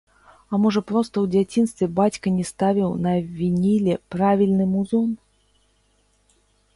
А можа проста ў дзяцінстве бацька не ставіў на вініле правільны музон!